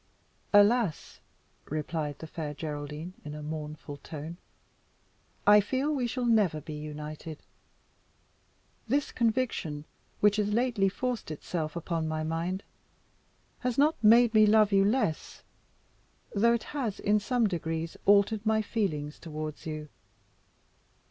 "Alas!" replied the Fair Geraldine in a mournful tone, "I feel we shall never be united. This conviction, which has lately forced itself upon my mind, has not made me love you less, though it has in some degree altered my feelings towards you."